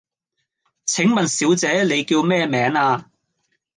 請問小姐你叫咩名呀?